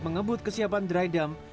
mengebut kesiapan dry dam